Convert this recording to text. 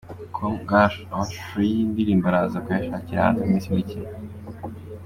com ngo amashusho y’iyi ndirimbo araza kuyashyira hanze mu minsi mike iri imbere.